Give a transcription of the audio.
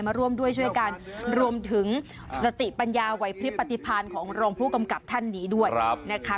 ร่วมด้วยช่วยกันรวมถึงสติปัญญาไหวพลิบปฏิพันธ์ของรองผู้กำกับท่านนี้ด้วยนะคะ